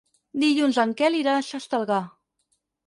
Dilluns en Quel irà a Xestalgar.